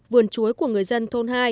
vườn chuối của người dân thôn hai